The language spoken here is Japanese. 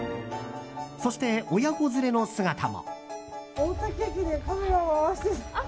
そして、親子連れの姿も。